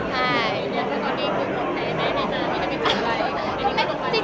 แล้วตอนนี้คุณแผ่ไหนในหน้านี้จะมีเกิดอะไร